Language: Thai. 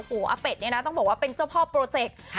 โอ้โหอาเป็ดเนี่ยนะต้องบอกว่าเป็นเจ้าพ่อโปรเจกต์